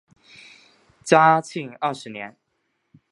嘉庆二十年。